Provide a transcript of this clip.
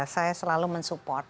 saya selalu mensupport